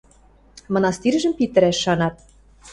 Мынастиржӹм питӹрӓш шанат.